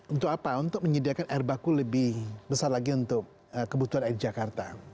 untuk apa untuk menyediakan air baku lebih besar lagi untuk kebutuhan air jakarta